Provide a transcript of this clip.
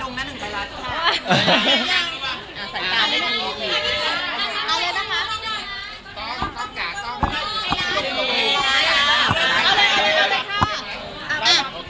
พี่เจ๊ครับ